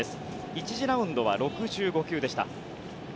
１次ラウンドは６５球でした。